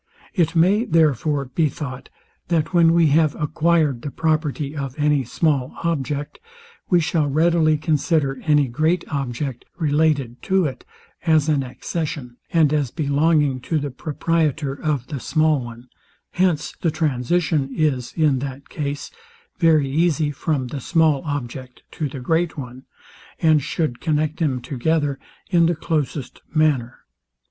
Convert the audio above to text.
It may, therefore, be thought, that when we have acquired the property of any small object, we shall readily consider any great object related to it as an accession, and as belonging to the proprietor of the small one; since the transition is in that case very easy from the small object to the great one, and shoued connect them together in the closest manner.